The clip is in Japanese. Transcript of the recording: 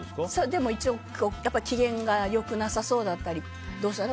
でも一応機嫌が良くなさそうだったりどうしたの？